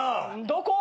どこ？